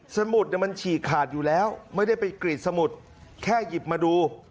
สมุดมันฉีกขาดอยู่แล้วไม่ได้ไปกรีดสมุดแค่หยิบมาดู